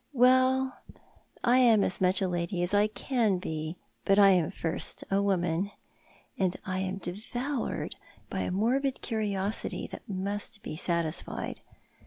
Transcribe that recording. Well, I am as much a lady as I can be, but I am first a woman ; and I am devoured by a morbid curiosity that must be satisfied.